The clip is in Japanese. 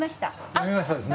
やみましたですね。